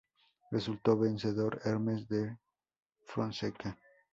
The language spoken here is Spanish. Resultó vencedor Hermes da Fonseca.